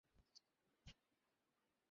এমন একগুঁয়ে মেয়েও তো দেখা যায় না।